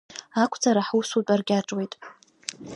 Ақәҵара ҳусутә аркьаҿуеит.